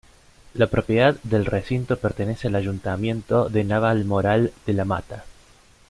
La propiedad del recinto pertenece al Ayuntamiento de Navalmoral de la Mata.